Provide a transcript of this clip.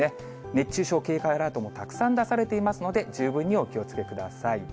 熱中症警戒アラートもたくさん出されていますので、十分にお気をつけください。